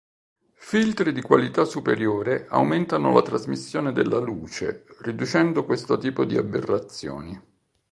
Filtri di qualità superiore aumentano la trasmissione della luce, riducendo questo tipo di aberrazioni.